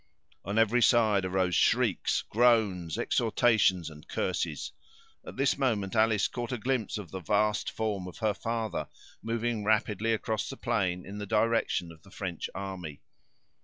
On every side arose shrieks, groans, exhortations and curses. At this moment, Alice caught a glimpse of the vast form of her father, moving rapidly across the plain, in the direction of the French army.